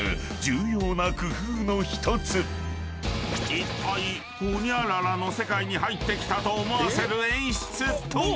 ［いったいホニャララの世界に入ってきたと思わせる演出とは？］